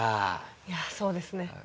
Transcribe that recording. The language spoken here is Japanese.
いやそうですね。